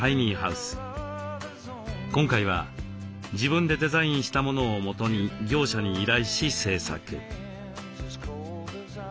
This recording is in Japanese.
今回は自分でデザインしたものをもとに業者に依頼し製作。